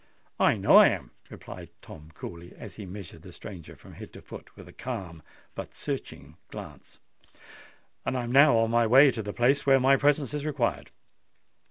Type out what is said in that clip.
"I know I am," replied Tom coolly, as he measured the stranger from head to foot with a calm but searching glance: "and I'm now on my way to the place where my presence is required."